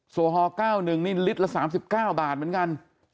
โอฮอล๙๑นี่ลิตรละ๓๙บาทเหมือนกัน